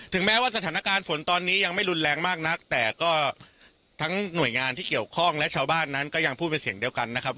แม้ว่าสถานการณ์ฝนตอนนี้ยังไม่รุนแรงมากนักแต่ก็ทั้งหน่วยงานที่เกี่ยวข้องและชาวบ้านนั้นก็ยังพูดเป็นเสียงเดียวกันนะครับ